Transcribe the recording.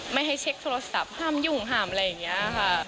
ไม่ให้เช็คโทรศัพท์ห้ามยุ่งห้ามอะไรอย่างนี้ค่ะ